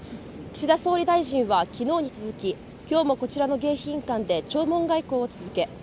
岸田総理大臣は昨日に続き今日もこちらの迎賓館で弔問外交を続け